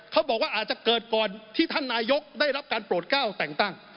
เขาบอกว่าอาจจะเกิดก่อนที่ท่านนายกได้รับการโปรดก้าวแต่งตั้ง